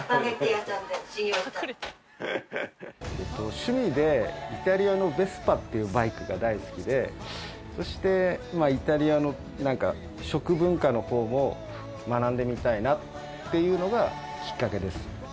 趣味でイタリアのベスパっていうバイクが大好きでそしてイタリアの食文化の方も学んでみたいなっていうのがきっかけです。